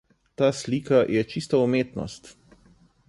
Ta slika je čista umetnost.